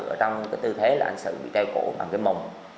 ở trong cái tư thế là anh sự bị treo cổ bằng cái mồng